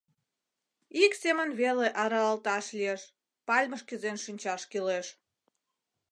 Ик семын веле аралалташ лиеш — пальмыш кӱзен шинчаш кӱлеш.